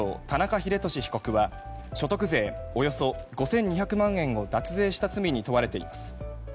田中英寿被告は所得税およそ５２００万円を脱税した罪に問われています。